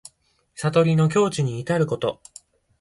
悟りの境地にいたること。